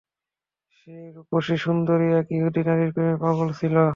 সে রূপসী সুন্দরী এক ইহুদী নারীর প্রেমে পাগল ছিল।